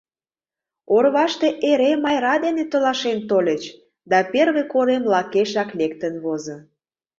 Орваште эре Майра дене толашен тольыч, да первый корем лакешак лектын возо.